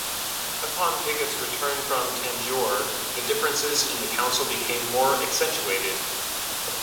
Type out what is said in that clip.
Upon Pigot's return from Tanjore the differences in the council became more accentuated.